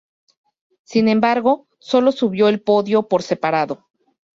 Sin embargo, sólo subió al podio por separado.